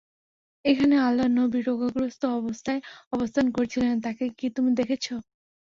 এখানে আল্লাহর নবী রোগগ্রস্ত অবস্থায় অবস্থান করছিলেন তাঁকে কি তুমি দেখেছ?